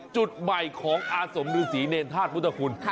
จุดใหม่ของอาสมฤษีเนรธาตุพุทธคุณ